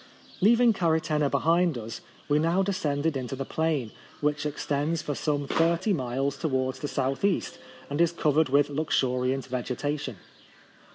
Leaving Karytena behind ns, we now descended into the plain, which extends for some thirty miles towards the S.E., and is covered with luxuriant vegetation.